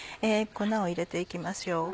粉を入れて行きましょう。